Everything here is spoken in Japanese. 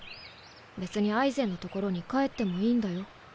別にアイゼンのところに帰ってもいいんだよ。